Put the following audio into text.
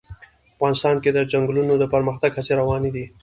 افغانستان کې د چنګلونه د پرمختګ هڅې روانې دي.